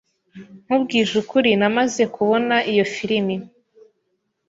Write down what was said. Nkubwije ukuri, namaze kubona iyo firime.